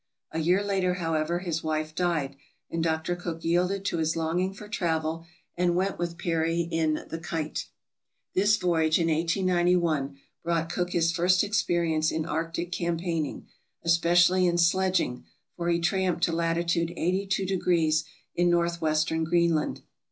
A year later, however, his wife died, and Dr. Cook yielded to his longing for travel and went with Peary in the "Kite." This voyage, in 1891, brought Cook his first experience in arctic campaigning, especially in sledging, for he tramped to lat. 820 in northwestern Greenland.